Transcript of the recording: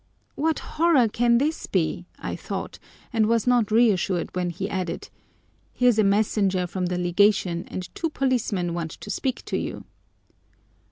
What horror can this be? I thought, and was not reassured when he added, "Here's a messenger from the Legation and two policemen want to speak to you."